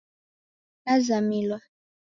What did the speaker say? Nazamilwa